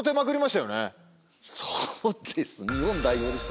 そうです。